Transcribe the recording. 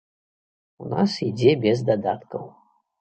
У нас ідзе без дадаткаў.